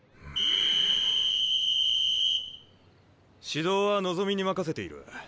指導は望に任せている。